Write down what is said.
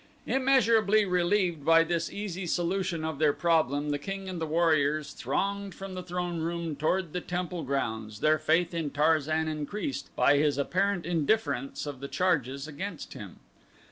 Immeasurably relieved by this easy solution of their problem the king and the warriors thronged from the throneroom toward the temple grounds, their faith in Tarzan increased by his apparent indifference to the charges against him.